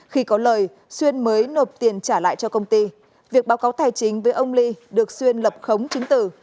khi có lời xuân mới nộp tiền trả lại cho công ty việc báo cáo tài chính với ông lee được xuân lập khống chính tử